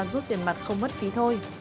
giúp tiền mặt không mất phí thôi